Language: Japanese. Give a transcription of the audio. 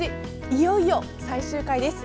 いよいよ最終回です。